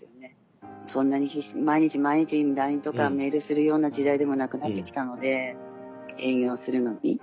そんなに必死に毎日毎日ＬＩＮＥとかメールするような時代でもなくなってきたので営業するのに。